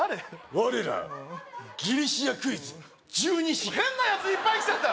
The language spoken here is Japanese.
我らギリシアクイズ１２神変なやついっぱい来ちゃった！